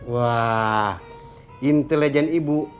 wah intelijen ibu